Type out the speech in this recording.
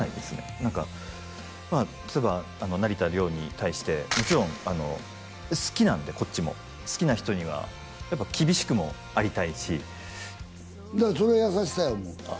何かまあたとえば成田凌に対してもちろん好きなんでこっちも好きな人にはやっぱ厳しくもありたいしだからそれ優しさやもうああ